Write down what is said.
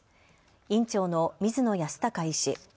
院長の水野泰孝医師。